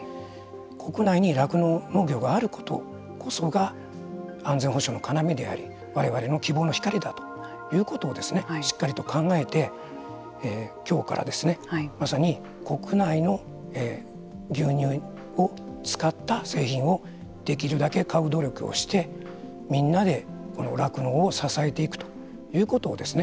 国内に酪農農業があることこそが安全保障の要であり我々の希望の光だということをしっかりと考えてきょうからですね、まさに国内の牛乳を使った製品をできるだけ買う努力をしてみんなで酪農を支えていくということをですね